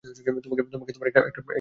তোমাকে একটা প্রশ্ন করতে পারি?